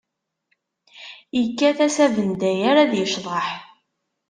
Ikkat-as abendayer ad icḍeḥ.